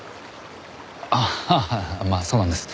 ああまあそうなんです。